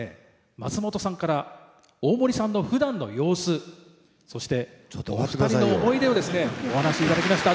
松本さんから大森さんのふだんの様子そしてお二人の思い出をですねお話しいただきました。